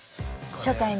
初対面。